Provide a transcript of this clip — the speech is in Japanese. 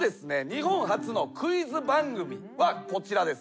日本初のクイズ番組はこちらです。